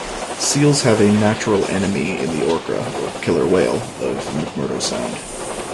Seals have a natural enemy in the orca or killer whale of McMurdo Sound.